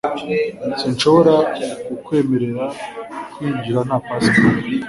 Sinshobora kukwemerera kwinjira nta pasiporo.